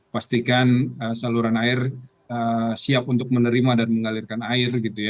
pastikan saluran air siap untuk menerima dan mengalirkan air gitu ya